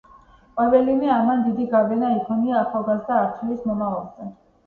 ყოველივე ამან დიდი გავლენა იქონია ახალგაზრდა არჩილის მომავალზე.